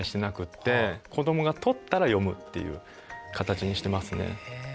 子どもが取ったら読むっていう形にしてますね。